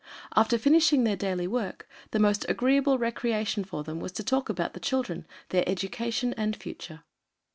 After finishing their daily work the most agreeable recreation for them was to talk about the children, their education and future.